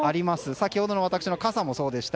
先ほどの私の傘もそうでした。